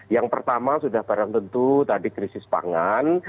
yang pertama sudah barang tentu tadi krisis pangan